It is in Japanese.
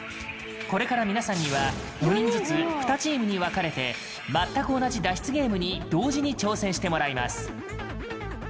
これから皆さんには４人ずつ２チームに分かれて全く同じ脱出ゲームに同時に挑戦してもらいます。